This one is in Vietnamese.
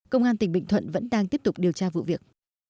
công an tỉnh bình thuận vẫn đang tiếp tục điều tra vụ việc